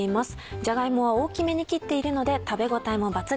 じゃが芋は大きめに切っているので食べ応えも抜群。